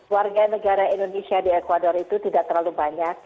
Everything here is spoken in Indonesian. warga negara indonesia di ecuador itu tidak terlalu banyak